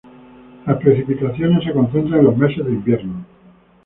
Las precipitaciones se concentran en los meses de invierno.